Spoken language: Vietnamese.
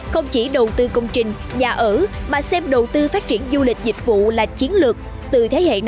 không chỉ đầu tư công trình nhà ở mà xem đầu tư phát triển du lịch dịch vụ